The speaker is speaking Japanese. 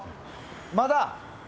まだ？